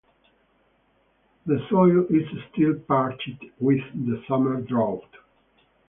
The soil is still parched with the summer drought.